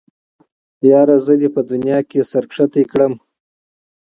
ياره زه دې په جهان کې سره نيڅۍ کړم